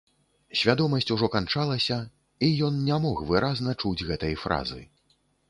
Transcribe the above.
Свядомасць ужо канчалася, і ён не мог выразна чуць гэтай фразы.